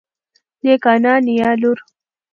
نيکه انا نيا لور